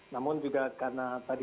namun juga karena tadi